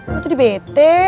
kok jadi bete